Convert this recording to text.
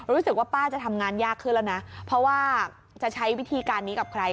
รู้สึกว่าป้าจะทำงานยากขึ้นแล้วนะเพราะว่าจะใช้วิธีการนี้กับใคร